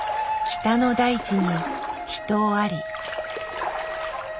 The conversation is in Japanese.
北の大地に秘湯あり。